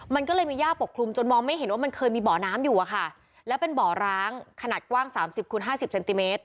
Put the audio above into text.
มันก็เลยมีย่าปกคลุมจนมองไม่เห็นว่ามันเคยมีบ่อน้ำอยู่อะค่ะแล้วเป็นบ่อร้างขนาดกว้างสามสิบคูณห้าสิบเซนติเมตร